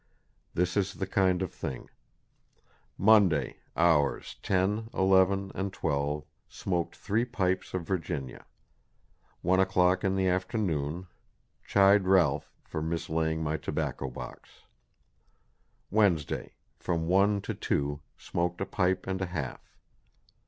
This is the kind of thing: "Monday ... Hours 10, 11 and 12 Smoaked three Pipes of Virginia ... one o'clock in the afternoon, chid Ralph for mislaying my Tobacco Box.... Wednesday ... From One to Two Smoaked a Pipe and a half....